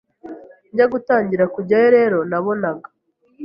Njya gutangira kujyayo rero nabonaga